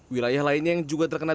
wilayah lainnya yang juga terkena